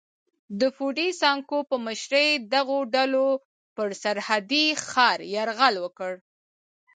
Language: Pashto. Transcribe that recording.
د فوډي سانکو په مشرۍ دغو ډلو پر سرحدي ښار یرغل وکړ.